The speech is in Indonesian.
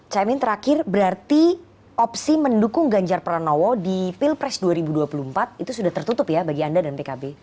caimin terakhir berarti opsi mendukung ganjar pranowo di pilpres dua ribu dua puluh empat itu sudah tertutup ya bagi anda dan pkb